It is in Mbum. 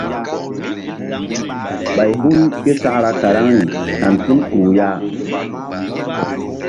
Ɓay hul ké sakra karaŋri kan tul kpuh ya.